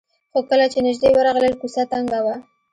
خو کله چې نژدې ورغلل کوڅه تنګه وه.